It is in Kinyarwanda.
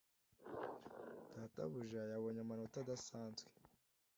data buja yabonye amanota adasanzwe